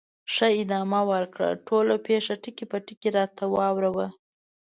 ښه، ادامه ورکړه، ټوله پېښه ټکي په ټکي راته واوره وه.